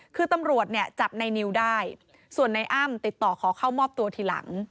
คือตำรวจเนี่ยจับในนิวได้ส่วนในอ้ำติดต่อขอเข้ามอบตัวทีหลัง